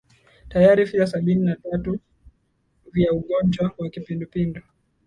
tayari visa sabini na tatu vya ugonjwa wa kipindupindu